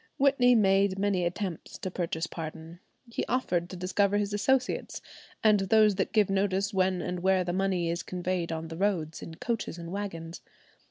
Whitney made many attempts to purchase pardon. He offered to discover his associates, and those that give notice when and where the money is conveyed on the roads in coaches and wagons.